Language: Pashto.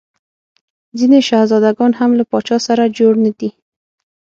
ځیني شهزاده ګان هم له پاچا سره جوړ نه دي.